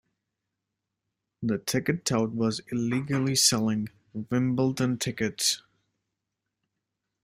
The ticket tout was illegally selling Wimbledon tickets